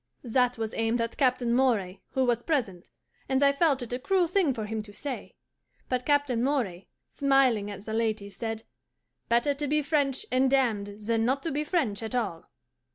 That was aimed at Captain Moray, who was present, and I felt it a cruel thing for him to say; but Captain Moray, smiling at the ladies, said, "Better to be French and damned than not to be French at all."